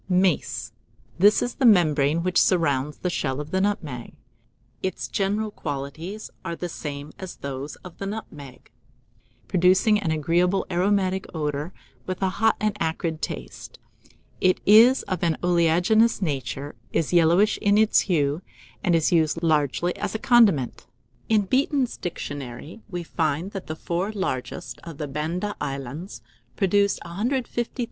] MACE. This is the membrane which surrounds the shell of the nutmeg. Its general qualities are the same as those of the nutmeg, producing an agreeable aromatic odour, with a hot and acrid taste. It is of an oleaginous nature, is yellowish in its hue, and is used largely as a condiment. In "Beeton's Dictionary" we find that the four largest of the Banda Islands produce 150,000 lbs.